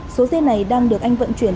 số dê này đang được anh vận chuyển